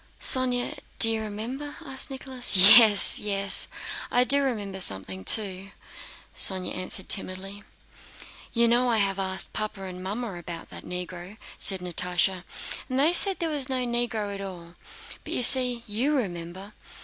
"Sónya, do you remember?" asked Nicholas. "Yes, yes, I do remember something too," Sónya answered timidly. "You know I have asked Papa and Mamma about that Negro," said Natásha, "and they say there was no Negro at all. But you see, you remember!"